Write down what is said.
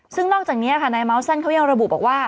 ซึ่งนอกจากนี้ค่ะนายเมาสั้นเขายังระบุบอกว่า